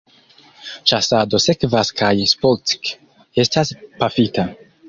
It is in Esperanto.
Ĉasado sekvas kaj Spock estas pafita.